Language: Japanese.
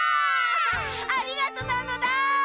ありがとうなのだ！